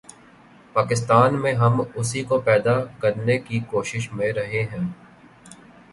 پاکستان میں ہم اسی کو پیدا کرنے کی کوشش میں رہے ہیں۔